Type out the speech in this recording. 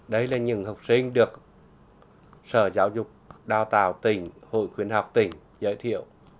đây là những học sinh được sở giáo dục đào tạo tỉnh hội khuyến học tỉnh giới thiệu